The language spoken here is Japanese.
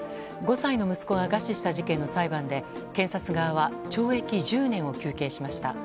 ５歳の息子が餓死した事件の裁判で検察側は懲役１０年を求刑しました。